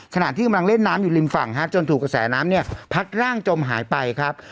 ขณะที่กำลังเล่นน้ำอยู่ริมฝั่งฮะจนถูกกระแสน้ำเนี่ยพัดร่างจมหายไปครับ